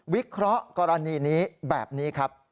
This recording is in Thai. วิเคราะห์กรณีนี้แบบนี้ครับ